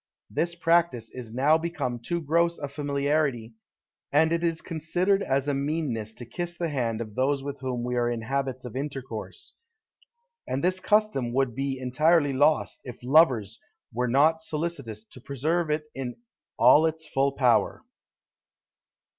This practice is now become too gross a familiarity, and it is considered as a meanness to kiss the hand of those with whom we are in habits of intercourse; and this custom would be entirely lost, if lovers were not solicitous to preserve it in all its full power.